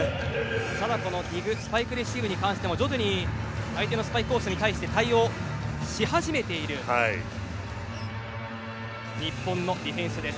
ただ、このディグスパイクレシーブに関しては徐々に相手のスパイクコースに対して対応し始めている日本のディフェンスです。